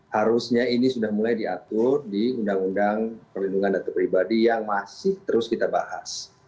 harusnya ini sudah mulai diatur di undang undang perlindungan data pribadi yang masih terus kita bahas